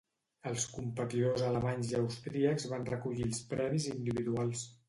Els competidors alemanys i austríacs van recollir els premis individuals.